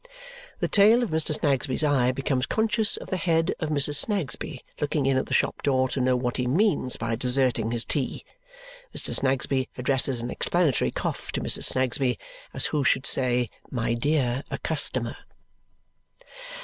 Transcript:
The tail of Mr. Snagsby's eye becomes conscious of the head of Mrs. Snagsby looking in at the shop door to know what he means by deserting his tea. Mr. Snagsby addresses an explanatory cough to Mrs. Snagsby, as who should say, "My dear, a customer!"